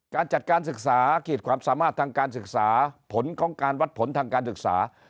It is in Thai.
การจัดการศึกษาขีดความสามารถทางการศึกษาผลของการวัดผลทางการศึกษา